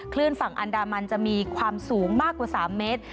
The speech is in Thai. คลื่นฝั่งอันดามันจะมีความสูงมากกว่า๓เมตร